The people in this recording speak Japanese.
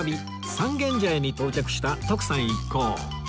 三軒茶屋に到着した徳さん一行